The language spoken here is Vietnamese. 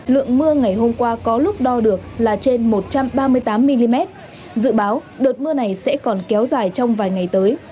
lượng mưa ngày hôm qua có lúc đo được là trên một trăm ba mươi tám mm dự báo đợt mưa này sẽ còn kéo dài trong vài ngày tới